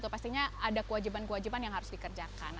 pastinya ada kewajiban kewajiban yang harus dikerjakan